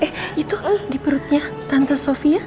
eh itu di perutnya tante sofi ya